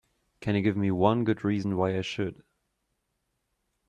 Can you give me one good reason why I should?